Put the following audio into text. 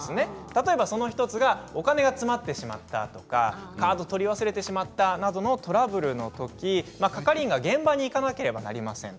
例えば、その１つがお金が詰まってしまったとかカードを取り忘れてしまったなどのトラブルのとき係員が現場に行かなければなりません。